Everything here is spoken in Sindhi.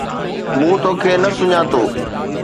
مون توکي نه سڃاتو